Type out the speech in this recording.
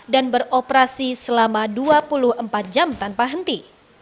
dan beroperasi selama dua puluh empat jam tanpa henti